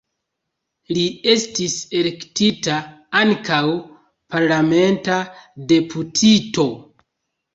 Li estis elektita ankaŭ parlamenta deputito.